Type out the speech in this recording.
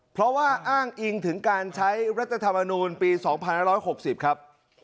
เพราะว่าอ้างอิงถึงการใช้รัฐธรรมนูลปี๒๕๖๐ครับ